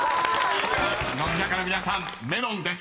［乃木坂の皆さんメロンです］